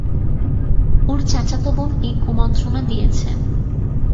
ওর চাচাতো বোন এই কুমন্ত্রণা দিয়েছে।